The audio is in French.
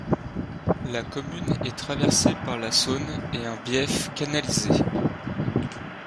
La commune est traversée par la Saône et un bief canalisé.